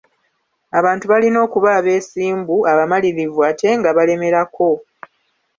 Abantu balina okuba abeesimbu, abamalirivu ate nga balemerako.